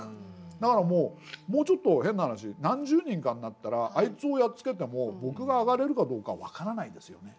だからもうちょっと変な話何十人かになったらあいつをやっつけても僕が上がれるかどうか分からないですよね。